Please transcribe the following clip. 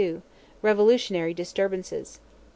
Revolutionary disturbances.